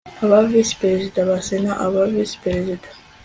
Aba Visi Perezida ba Sena aba Visi Perezida